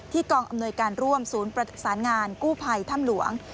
กองอำนวยการร่วมศูนย์ประสานงานกู้ภัยถ้ำหลวง